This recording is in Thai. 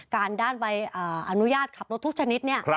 ด้านใบอนุญาตขับรถทุกชนิดเนี่ย